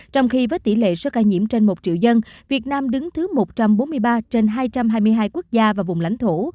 trong khi với tỷ lệ số ca nhiễm trên một triệu dân việt nam đứng thứ một trăm bốn mươi ba trên hai trăm hai mươi hai quốc gia và vùng lãnh thổ